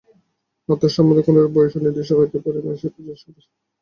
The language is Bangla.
আত্মার সম্বন্ধে কোনরূপ বয়সও নির্দিষ্ট হইতে পারে না, সেই প্রাচীন পুরুষ সর্বদাই একরূপ।